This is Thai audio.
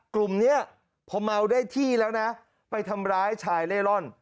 กลุ่มนี้พอเมาได้ที่แล้วนะไปทำร้ายชายเล่ร่อน